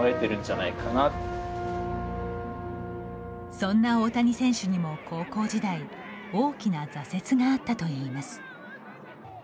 そんな大谷選手にも高校時代大きな挫折があったといいます。